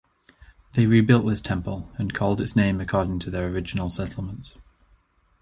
They rebuild this temple and called its name according to their original settlements.